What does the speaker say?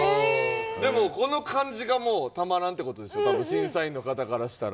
でも、この感じがたまらんってことでしょ、審査員からしたら。